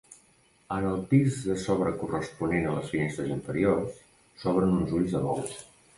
En el pis de sobre corresponent a les finestres inferiors, s'obren uns ulls de bou.